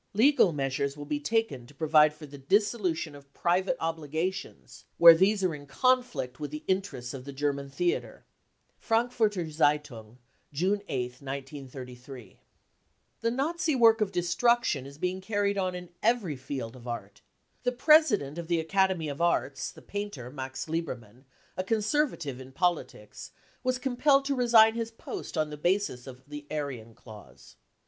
Legal measures will be taken to provide for the dis solution of private obligations where these are in con flict with the interests of the German theatre." — (Frankfurter Zeitung> June 8th, 1933.) The Nazi work of destruction is being carried on in every field of art. The president of the Academy of Arts, the painter Max Liehermann, a conservative in politics, was compiled to resign his post on the basis of the Aryan clause.